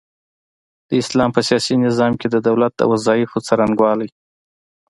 د اسلام په سياسي نظام کي د دولت د وظايفو څرنګوالۍ